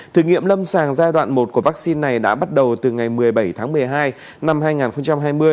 thử nghiệm lâm sàng giai đoạn một của vaccine này đã bắt đầu từ ngày một mươi bảy tháng một mươi hai năm hai nghìn hai mươi